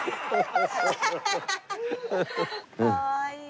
かわいい。